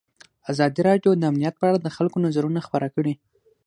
ازادي راډیو د امنیت په اړه د خلکو نظرونه خپاره کړي.